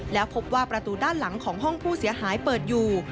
แล้วพบว่าประตูด้านหลังของห้องผู้เสียหายเปิดอยู่